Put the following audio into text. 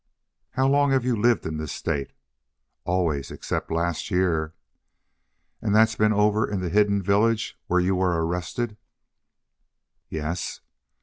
"How long have you lived in this state?" "Always except last year." "And that's been over in the hidden village where you were arrested?" "Yes."